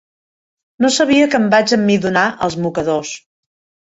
No sabia que em vaig emmidonar els mocadors.